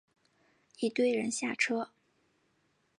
一堆人下车